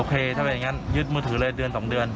ถ้าเป็นอย่างนั้นยึดมือถือเลยเดือน๒เดือน